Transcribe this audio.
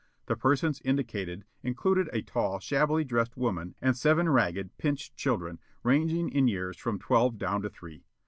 The persons indicated included a tall, shabbily dressed woman and seven ragged, pinched children, ranging in years from twelve down to three.